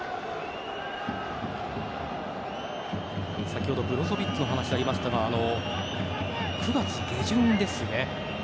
先ほどブロゾヴィッチのお話がありましたが９月下旬ですね